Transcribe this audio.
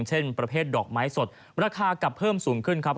เช่นประเภทดอกไม้สดราคากลับเพิ่มสูงขึ้นครับ